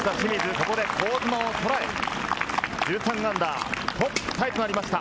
ここで香妻を捉え、−１３トップタイとなりました。